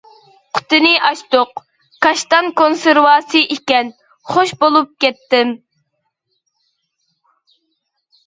قۇتىنى ئاچتۇق، كاشتان كونسېرۋاسى ئىكەن. خۇش بولۇپ كەتتىم.